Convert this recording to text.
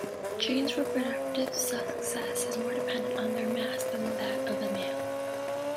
Gynes' reproductive success is more dependent on their mass than that of a male.